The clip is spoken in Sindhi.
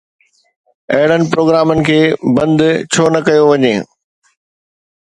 اهڙن پروگرامن کي بند ڇو نه ڪيو وڃي؟